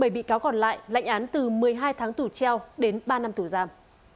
bảy bị cáo còn lại lãnh án từ một mươi hai tháng tù treo đến ba năm tù giam